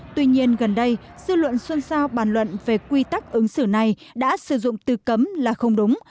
tuy nhiên gần đây dư luận xôn xao bàn luận về quy tắc ứng xử này đã sử dụng từ cấm là không đúng